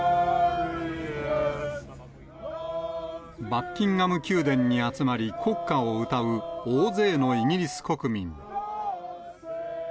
バッキンガム宮殿に集まり、国歌を歌う大勢のイギリス国民。